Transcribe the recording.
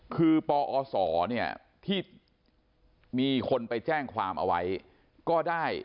คือปอศเนี่ยที่มีคนไปแจ้งความเอาไว้ก็ได้